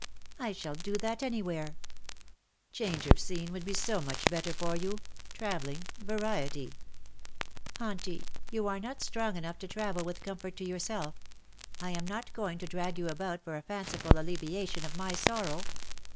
"''^' I shall do that anywhere." " Change of scene would be so much better for you — travelling — variety." MY GOOD DAYS ARE DONE, ^1 '^Auntie, you are not strong enough to travel with comfort to yourself. I am not going to drag you about for a fanciful alleviation of my sorrow.